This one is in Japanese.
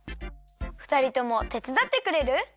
ふたりともてつだってくれる？